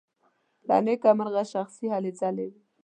له نېکه مرغه شخصي هلې ځلې وې.